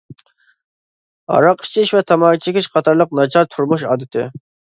ھاراق ئىچىش ۋە تاماكا چېكىش قاتارلىق ناچار تۇرمۇش ئادىتى.